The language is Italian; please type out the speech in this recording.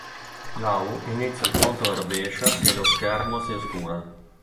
Law inizia il conto alla rovescia e lo schermo si oscura.